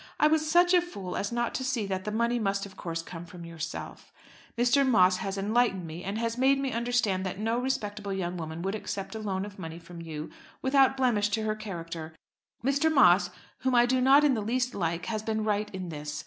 I was such a fool as not to see that the money must of course come from yourself. Mr. Moss has enlightened me, and has made me understand that no respectable young woman would accept a loan of money from you without blemish to her character. Mr. Moss, whom I do not in the least like, has been right in this.